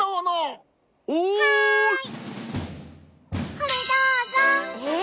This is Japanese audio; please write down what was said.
これどうぞ。えっ？